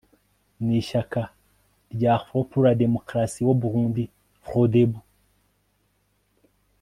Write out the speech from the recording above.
n ishyaka rye Front pour la D mocratie au Burundi Frodebu